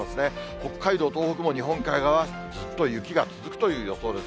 北海道、東北の日本海側は、ずっと雪が続くという予想です。